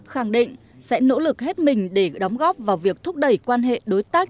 khẳng định sẽ nỗ lực hết mình để đóng góp vào việc thúc đẩy quan hệ đối tác